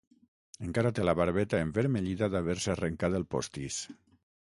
Encara té la barbeta envermellida d'haver-se arrencat el postís.